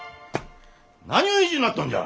何ゅう意地になっとんじゃ。